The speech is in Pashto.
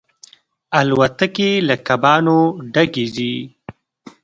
الوتکې له کبانو ډکې ځي.